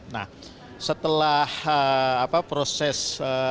nah setelah proses